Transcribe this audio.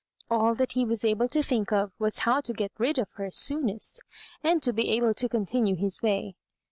All that he was able to think of was how to get rid of her soonest, and to be able to continue his way.